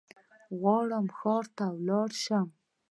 غواړم ښار ته ولاړشم